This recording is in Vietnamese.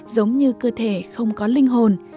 giống như cơ thể không có linh hồn